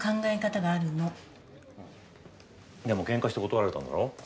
でもケンカして断られたんだろ？